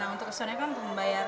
nah untuk kesuanya kan untuk membayar